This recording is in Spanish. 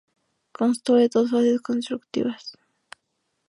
Constó de dos fases constructivas.